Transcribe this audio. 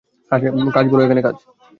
কাজ বলো কাজ?